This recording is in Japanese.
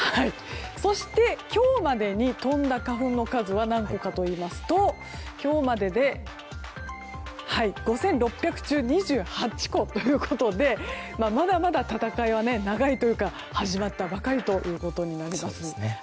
そして今日までに飛んだ花粉の数は何個かといいますと今日までで５６００中２８個ということでまだまだ、戦いは長いというか始まったばかりとなります。